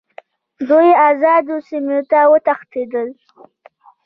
دوی آزادو سیمو ته وتښتېدل.